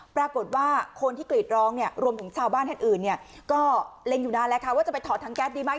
ปรากฏว่าคนที่กรีดร้องเนี่ยรวมถึงชาวบ้านท่านอื่นเนี่ยก็เล็งอยู่นานแล้วค่ะว่าจะไปถอดทางแก๊สดีไหม